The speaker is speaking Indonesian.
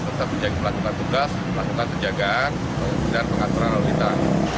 tetap menjaga pelaksanaan tugas pelaksanaan penjagaan dan pengaturan lalu lintas